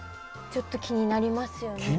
ちょっと気になりますよね。